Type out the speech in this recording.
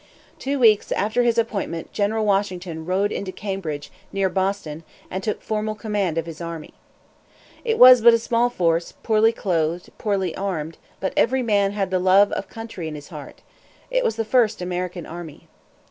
Two weeks after his appointment General Washington rode into Cambridge, near Boston, and took formal command of his army. It was but a small force, poorly clothed, poorly armed; but every man had the love of country in his heart. It was the first American army.